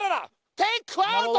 テイクアウト！